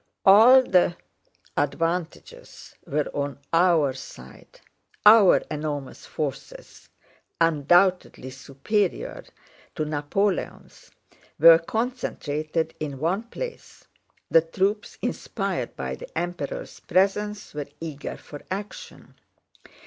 All the advantages were on our side. Our enormous forces, undoubtedly superior to Napoleon's, were concentrated in one place, the troops inspired by the Emperors' presence were eager for action.